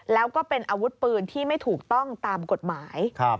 แล้วก็เป็นอาวุธปืนที่ไม่ถูกต้องตามกฎหมาย